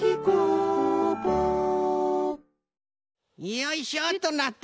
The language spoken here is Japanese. よいしょっとなっと！